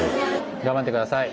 頑張って下さい。